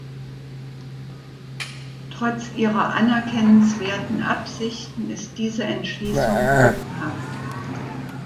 Trotz ihrer anerkennenswerten Absichten ist diese Entschließung lückenhaft.